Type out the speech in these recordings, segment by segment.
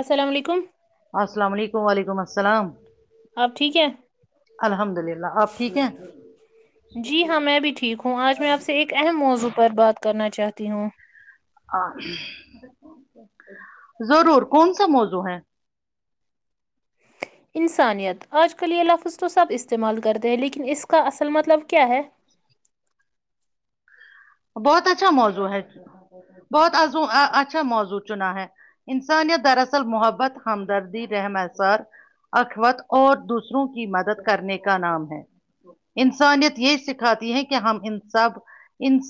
السلام علیکم السلام علیکم وعلیکم السلام آپ ٹھیک ہے الحمد للہ آپ ٹھیک ہیں جی ہاں میں بھی ٹھیک ہوں آج میں آپ سے ایک اہم موضوع پر بات [inaudible] کرنا چاہتی ہوں [inaudible] ضرور کون سا موزو ہے انسانیت آج کل یہ لفظ تو سب استعمال کرتے ہیں لیکن اس کا اصل مطلب کیا ہے [inaudible] بہت اچھا موضوع ہے بہتو اچھا موضوع چنا ہے انسانیت دراصل محبت ہمدردی رحمسار اخوت اور دوسروں کی مدد کرنے کا نام ہے انسانیت یہ سکھاتی ہے کہ ہم ان سب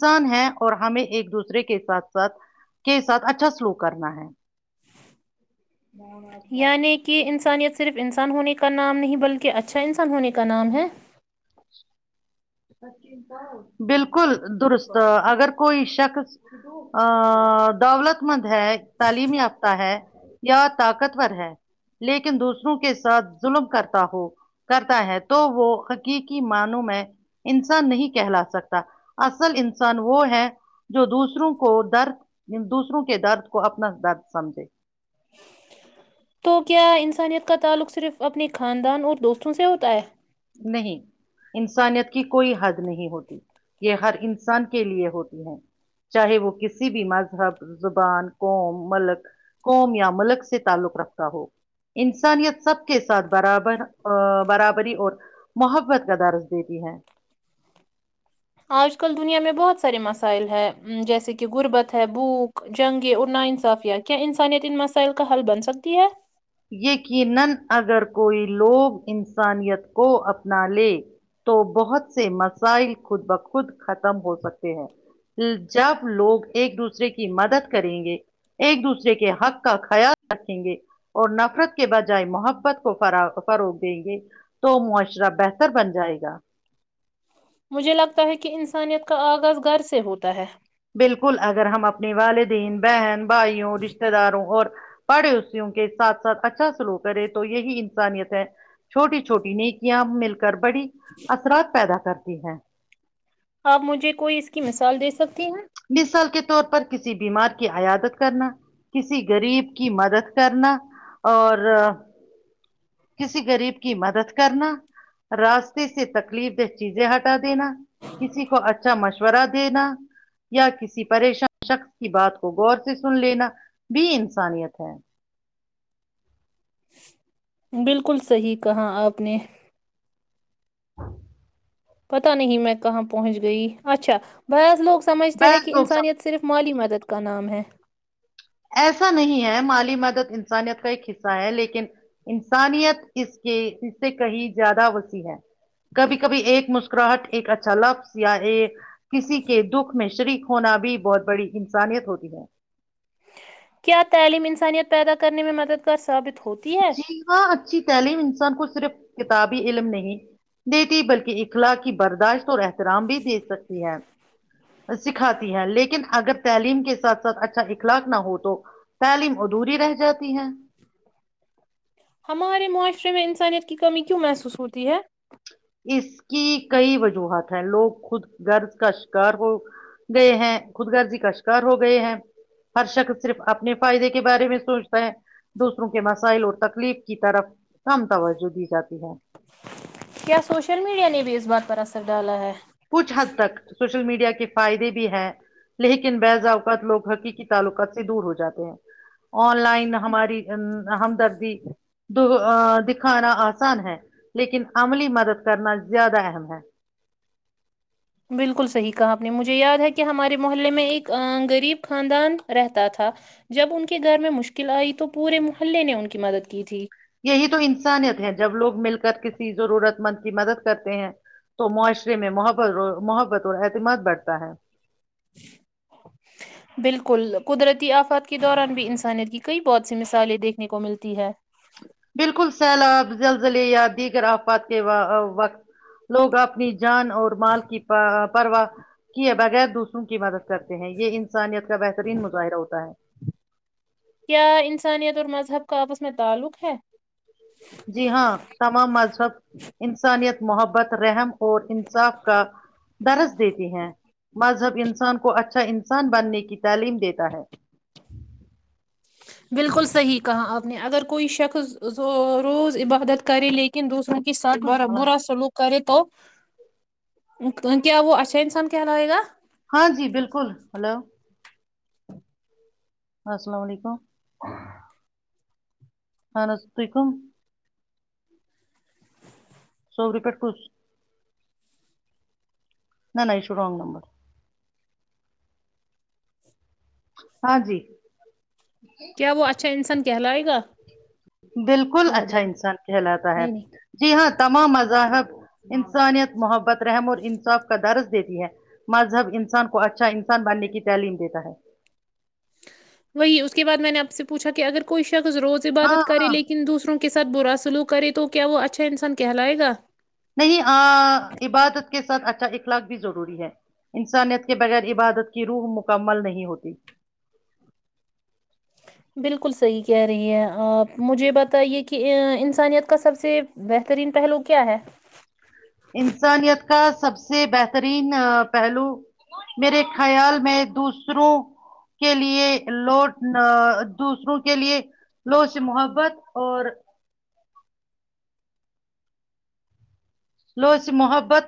ان ہے اور ہمیں ایک دوسرے کے ساتھ ساتھ کے ساتھ اچھا سلو کرنا ہے [inaudible] یعنی کہ انسانیت سے صرف انسان ہونے کا نام نہیں بلکہ اچھا انسان ہونے کا نام ہے [inaudible] بالکل درست اگر کوئی شخص دولت مند [inaudible] ہے تعلیم یافتہ ہے یا طاقتور ہے لیکن دوسروں کے ساتھ [inaudible] ظلم کرتا ہو کرتا ہے تو وہ حقیقی معنوں میں [inaudible] انسان نہیں کہلا سکتا اصل انسان وہ ہے جو دوسروں کو درد دوسروں کے درد کو اپنا درد سمجھے تو کیا انسانیت کا تعلق صرف اپنے خاندان اور دوستوں سے ہوتا ہے نہیں انسانیت کی کوئی حد نہیں ہوتی یہ ہر انسان کے لیے ہوتی ہے چاہے وہ کسی بھی مذہب زبان قوم ملک قوم یا ملک سے تعلق رکھتا ہو انسانیت سب کے ساتھ برابر برابری اور محبت کا درس دیتی ہے آج کل دنیا میں بہت سارے مسائل ہیں جیسے کہ غربت ہے بھوک جنگیں اور ناانصافیہ کیا انسانیت ان مسائل کا حل بن سکتی ہے یقینا اگر کوئی لوگ انسانیت کو اپنا لیں تو بہت سے مسائل خود بخود ختم ہو سکتے ہیں جب لوگ ایک دوسرے کی مدد کریں گے ایک دوسرے کے حق کا خیال رکھیں گے اور نفرت کے بجائے محبت کو فروغ دیں گے تو معاشرہ بہتر بن جائے گا مجھے لگتا ہے کہ انسانیت کا آغاز گھر سے ہوتا ہے بالکل اگر ہم اپنی والدین بہن بھائیوں رشتے داروں اور [inaudible] پڑے اسسییوں کے ساتھ ساتھ اچھا سلو کرے تو یہی انسانیت ہے چھوٹی چھوٹی نیکیاں مل گڑبڑی اثرات پیدا کرتی [inaudible] ی ہے [inaudible] آپ مجھے کوئی اس کی مثال دے سکتے ہیں مثال کے طور پر کسی بیمار کی عیادت کرنا کسی غریب کی مدد کرنا اور کسی غریب کی مدد کرنا راستے سے تکلیف دہ چیزیں ہٹا دینا کسی کو اچھا مشورہ دینا یا کسی پریشان شخص کی بات کو غور سے سن لینا بھی انسانیت ہے بالکل صحیح کہا آپ نے پتا نہیں میں کہاں پہنچ گئی اچھا بض لوگ سمھتے ہیں بعض کہ لوگ سمجھ انسانیت صرف مالی مت [inaudible] ت کا نام ہے ایسا نہیں ہے مالی مدد انسانیت کا ایک حصہ ہے لیکن انسانیت اس کے اس سے کہیں زیادہ وسیع ہے کبھی کبھی ایک مسکراہٹ ایک اچھا لفظ یا ایک کسی کے دکھ میں شریک ہونا بھی بہت بڑی انسانیت ہوتی ہے [unintelligible] کیا تعلیم انسانیت پیدا کرنے میں مددگار ثابت [inaudible] ہے جی ہاں اچھی تعلیم انسان کو صرف کتابی علم نہیں دیتی بلکہ اخلاق کی برداشت اور احترام بھی دے سکتی ہے سکھاتی ہے لیکن اگر تعلیم کے ساتھ ساتھ اچھا اخلاق نہ ہو تو تعلیم ادھوری رہ جاتی ہے ہمارے معاشرے میں انسانیت کی کمی کیوں محسوس ہوتی ہے اس کی کئی وجوہات ہیں لوگ خود غرض کا شکار ہو گئے ہیں خود رضی کا شکار ہو گئے ہیں ہر شخص صرف اپنے فائدے کے بارے میں سوچتا ہے دوسروں کے مسائل اور تکلیف کی طرف کم توجہ دی جاتی ہے [unintelligible] کیا سوشل میڈیا نے بھی اس بات پر اثر ڈالا ہے کچھ حد تک سوشل میڈیا کے فائدے بھی ہیں لیکن بعض اوقات لوگ حقیقی تعلقات سے دور ہو جاتے ہیں آن لائن ہماری ہمدردی دو ا دکھانا آسان ہے لیکن عملی مدد کرنا زیادہ اہم ہے بالکل صحیح کہا آپ نے مجھے یاد ہے کہ ہمارے محلے میں ایک غریب خاندان رہتا تھا جب ان کے گھر میں مشکل آئی تو پورے محلے نے ان کی مدد کی تھی یہی تو انسانیت ہے جب لوگ مل کر کسی ضرورت مند کی مدد کرتے ہیں تو معاشرے میں محت محبت اور اعتماد بڑھتا ہے بالکل قدرتی آفات کے دوران بھی انسانیت کی کئی بہت سی مثالیں دیکھنے کو ملتی ہے بالکل سیلاب زلزلے یا دیگر آفات کے وقت لوگ اپنی جان اور مال کی پرواہ کیے بغیر دوسروں کی مدد کرتے ہیں یہ انسانیت کا بہترین مظاہرہ ہوتا ہے کیا انسانیت اور مذہب کا آپس میں تعلق ہے جی ہاں تمام مذہب انسانیت محبت رحم اور انصاف کا درس دیتی ہیں مذہب انسان کو اچھا انسان بننے کی تعلیم دیتا ہے بالکل صحیح کہا آپ نے اگر کوئی شخص ز روز عبادت کرے لیکن دوسروں کے ساتھ کچھ برا بولا نہیں برا سلوک کرے تو کیا وہ اچھا انسان کہلائے گا ہاں جی بالکل ہلو السلام علیکم ہاں انس ٹھیک ہو سوری پی کوش نہ نہ یہ سو رنگ نمبر ہاں جی کیا وہ اچھا انسان کہلائے گا بالکل لا بیگ اچھا انسان کہلاتا ہے نہیں نہیں جی ہاں تمام مذاہب انسانیت محبت رحم اور انصاف کا درد دیتی ہے مذہب انسان کو اچھا انسان بننے کی تعلیم دیتا ہے وہی اس کے بعد میں نے آپ سے پوچھا کہ اگر کوئی شخص روز ہاں عبادت کریں ہاں لیکن دوسروں کو کے ساتھ برا سلوک کرے تو کیا وہ اچھا انسان کہلائے گا نہیں نہیں ا عبادت کے ساتھ اچھا اخلاق بھی ضروری ہے انسانیت کے بغیر عبادت کی روح مکمل نہیں ہوتی بالکل صحیح کہہ رہی ہے آپ مجھے بتائیے کہ انسانیت کا سب سے بہترین پہلو کیا ہے انسانیت کا سب سے بہترین پہلو میرے خیال میں دوسروں کے لیے لوڈ نا دوسروں کے لیے لو سے محبت اور لو سے محبت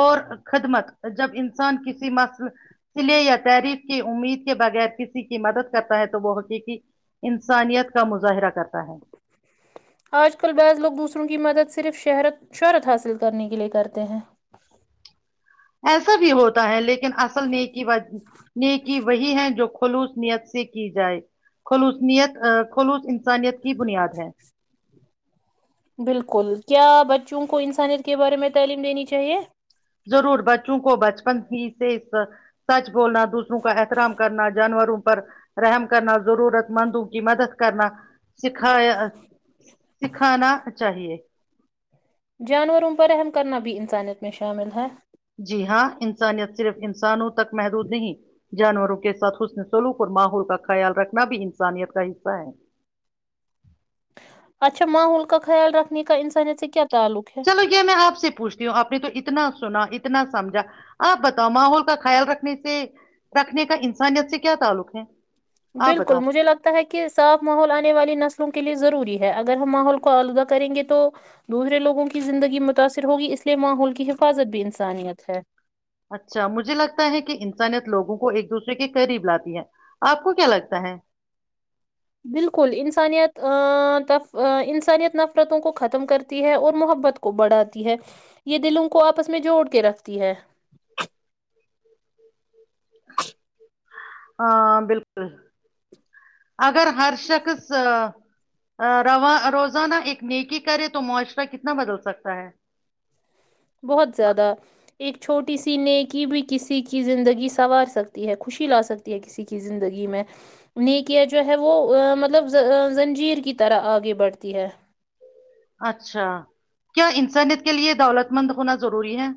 اور خدمت جب انسان کسی مقصد لیے یا تحریر کی امید کے بغیر کسی کی مدد کرتا ہے تو وہ حقیقی انسانیت کا مظاہرہ کرتا ہے آج کل بعض لوگ دوسروں کی مدد صرف شہرت شہرت حاصل کرنے کے لیئے کرتے ہیں ایسا بھی ہوتا ہے لیکن اصل نیکی وہی نیکی وہی ہے جو خلوصنیت سے کی جائے خلوصنیت ا خلوص انسانیت کی بنیاد ہے بالکل کیا بچوں کو انسانیت کے بارے میں تعلیم دینی چاہیے ضرور بچوں کو بچپن ہی سے اس سچ بولنا دوسروں کا احترام کرنا جانوروں رحم کرنا ضرورت مندوں کی مدد کرنا سکھانا چاہیے جانوروں پرراہم کرنا بھی انسانیت میں شامل ہے جی ہاں انسانیت صرف انسانوں تک محدود نہیں جانوروں کے ساتھ حسن سلوک اور ماحول کا خیال رکھنا بھی انسانیت کا حصہ ہے اچھا ماحول کا خیال رکھنے کا انسانیت سے کیا تعلق ہے چلو یہ میں آپ سے پوچھتی ہوں آپ نے تو اتنا سنا اتنا نہ سمجھا آپ بتاؤ ماحول کا خیال رکھنے سے رکھنے کا انسانیت سے کیا تعلق ہے آپ بالکل بتاؤ مجھے لگتا ہے کہ صاف ماحول آنے والی نسلوں کے لیے ضروری ہے اگر ہم ماحول کو آلودہ کریں گے تو دوسرے لوگوں کی زندگی متاثر ہوگی اس لیے ماحول کی حفاظت بھی انسانیت ہے اچھا مجھے لگتا ہے کہ انسانیت لوگوں کو ایک دوسرے کے قریب لاتی ہے آپ کو کیا لگتا ہے بالکل انسانیت انسانیت نفرتوں کو ختم کرتی ہے اور محبت کو بڑھاتی ہے یہ دلوں کو آپس میں جوڑ کے رکھتی ہے ہ بالکل اگر ہر شخصو روزانہ ایک نیکی کرے تو معاشرہ کتنا بدل سکتا ہے بہت زیادہ ایک چھوٹی سی نیکی بھی کسی کی زندگی سنوار سکتی ہے خوشی لا سکتی ہے کسی کی زندگی میں نیکیاں جو ہے وہ مطلب زنجیر کی طرح آگے بڑھتی ہے اچھا کیا انسانیت کے لے دولت مند ہونا ضروری ہے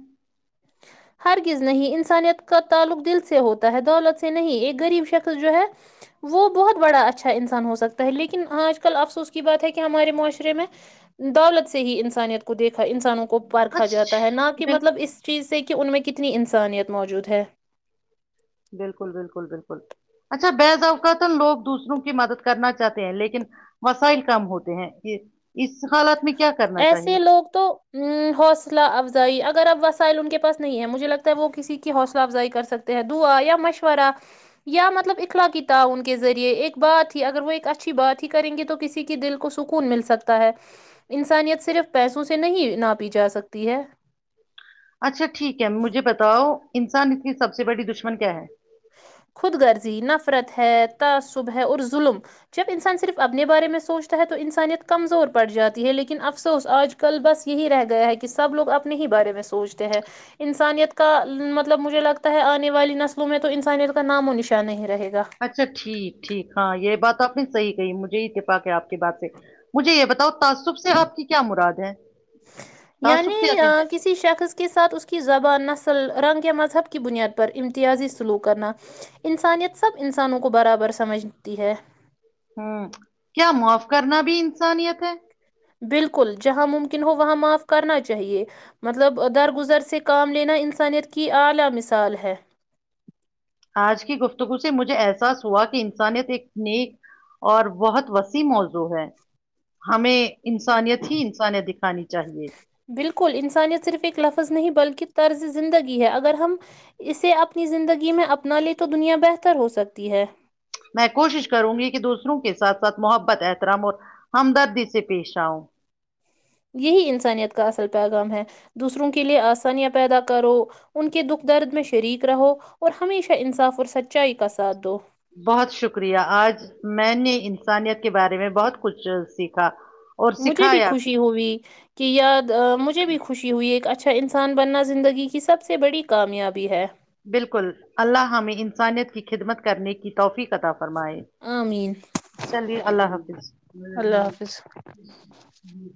ہرگز نہیں انسانیت کا تعلق دل سے ہوتا ہے دولت سے نہیں ایک غریب شخص جو ہے وہ بہت بڑا اچھا انسان ہو سکتا ہے لیکن آج کل افسوس کی بات ہے کہ ہمارے معاشرے میں دولت سے ہی انسانیت کو دیکھا انسانوں کو کو پرارکھا جاتا ہے نہ اچھا کہ بال مطلب اس چیز سے ان میں کتنی انسانیت موجود ہے بالکل بالکل اچھا بضافہ تو لوگ دوسروں کی مدد کرنا چاہتے ہیں لیکن مسائل کم ہوتے ہیں یہ اس حالت میں کیا کرنا چاہیے ایسے لوگ تو حوصلہ افزائی اگر اب وسائل انک کے پاس نہیں ہے مجھے لگتا وہ کسی کی حوصلہ افزائی کر سکتے ہیں دعا یا مشورہ یا مطلب اخلاقیتاع ان کے ذریعے ایک بات ہی اگر وہ ایک اچھی بات ہی کریں گے تو کسیك دل کو سکون مل سکتا ہے انسانیت صرف پیسوں سے نہیں نہا پی جا سکتی ہے اچھا ٹھیک ہے مجھے بتاؤ انسان اس کی سب سے بڑی دشمن کیا ہے خود غرضی نفرت ہے تعصب ہے اور ظلم جب انسان صرف اپنے بارے میں سوچتا ہے تو انسانیت کمزور پڑ جاتی ہے لیکن افسوس آج کل بس یہی رہ گیا ہے کہ سب لوگ اپنے ہی بارے میں سوچتے ہیں انسانیت کا مطلب مجھے لگتا ہے آنے والی نسلوں میں تو تو انانانییل کا نام و نشانۂ ہے اچھا ٹھیک ٹھیک ہاں یہ بات آپنی صحیح کہی مجھے ہیتپا کے آپ کی بات سے مجھے یہ بتاؤ تعصب سے آپ کی کیا مراد ہے یعنی تعصب کیا کہ ہے کسی شخص کے ساتھ اس کی زبان نہ س ل رنگ یا مذہب کی بنیاد پر امتیازی سلوک کرنا انسانیت سب انسانوں کو برابر سمجھتی ہے ہوں کیا معاف کرنا بھی انسانیت ہے بالکل جہاں ممکن ہو وہاں معاف کرنا چاہیے مطلب درگزر سے کام لینا انسانیت کی اعلی مثال ہے آج کی گفتگو سے مجھے احساس ہوا کہ انسانیت ایک نیک اور بہت وسیع موضوع ہے ہمیں انسانیت ہی انسانیت دکھانی چاہیے بالکل انسانیت صرف ایک لفظ نہیں بلکہ طرز زندگی ہے اگر ہم اسے اپنی زندگی میں اپنا لیں تو دنیا بہتر ہو سکتی ہے میں کوشش کروں گی کہ دوسروں کے ساتھ ساتھ محبت احترام اور ہمدردی سے پیش آؤں یہی انسانیت کا اصل پیغام ہے دوسروں کے لیے آسانیاں پیدا کرو ان کے دکھ درد میں شریک رہو اور ہمیشہ انصاف اور سچائی کا ساتھ دو بہت شکریہ آج میں نے انسانیت کے بارے میں بہت کچھ سیکھا اور مجھے بھی سکھایا خوشی ہوئی کہ یا مجھے بھی خوشی ہوئی ایک اچھا اھ انسان بننا زندگی کی سب سے بڑی کامیابی ہے [unintelligible] بالکل اللہ ہمیں انسانیت کی خدمت کرنے کی توفیق قطا فرمائے آمین چلیے اللہ حافظ اللہ حافظ [unintelligible]